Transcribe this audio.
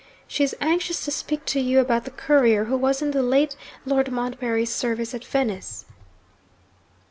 She is anxious to speak to you about the courier who was in the late Lord Montbarry's service at Venice.'